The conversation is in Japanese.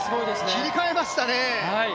切り替えましたね！